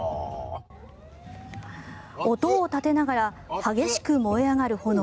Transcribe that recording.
音を立てながら激しく燃え上がる炎。